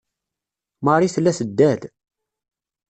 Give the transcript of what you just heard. Marie tella teddal.